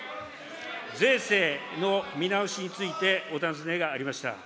税制の見直しについてお尋ねがありました。